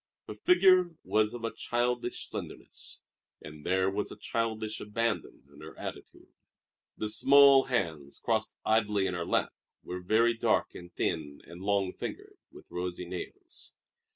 Her figure was of a childish slenderness, and there was a childish abandon in her attitude. The small hands crossed idly in her lap were very dark and thin and long fingered, with rosy nails.